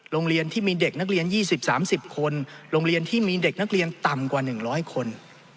โรงเรียนที่มีเด็กนักเรียน๒๐๓๐คนโรงเรียนที่มีเด็กนักเรียนต่ำกว่า๑๐๐คน